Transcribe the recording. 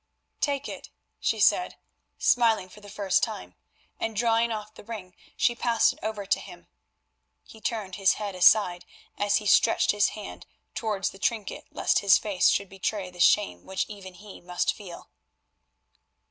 "Take it," she said, smiling for the first time, and drawing off the ring she passed it over to him. He turned his head aside as he stretched his hand towards the trinket lest his face should betray the shame which even he must feel.